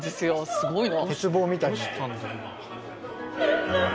すごいの。